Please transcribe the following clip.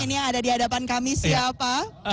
ini ada di hadapan kami siapa